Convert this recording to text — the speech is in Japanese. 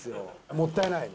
もったいない。